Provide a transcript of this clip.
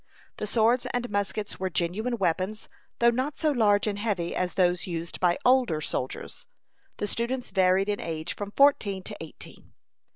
The swords and muskets were genuine weapons, though not so large and heavy as those used by older soldiers. The students varied in age from fourteen to eighteen.